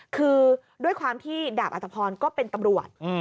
คือด้วยความที่ดาบอัตภพรก็เป็นตำรวจ